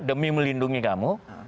demi melindungi kamu